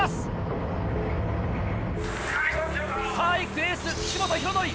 １区エース岸本大紀。